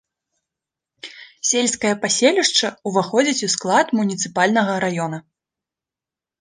Сельскае паселішча ўваходзіць у склад муніцыпальнага раёна.